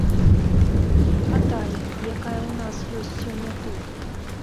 А тая, якая ў нас ёсць сёння тут?